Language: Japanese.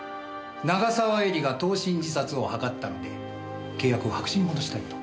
「長澤絵里が投身自殺を図ったので契約を白紙に戻したい」と。